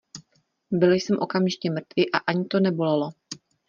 Byl jsem okamžitě mrtvý a ani to nebolelo.